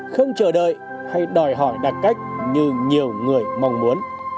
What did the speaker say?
không chờ đợi hay đòi hỏi đạt cách như nhiều người mong muốn